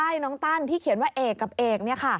ใช่น้องตั้นที่เขียนว่าเอกกับเอก